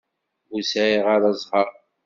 Ur sɛiɣ ara zzheṛ.